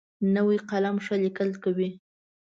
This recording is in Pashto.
نوی قلم ښه لیکل کوي